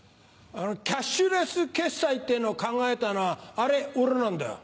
キャッシュレス決済ってのを考えたのはアレオレなんだよ。